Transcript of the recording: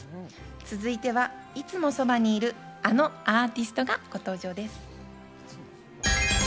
続いては、いつもそばにいる、あのアーティストがご登場です。